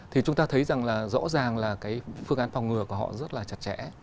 thì chúng ta thấy rằng là rõ ràng là cái phương án phòng ngừa của họ rất là chặt chẽ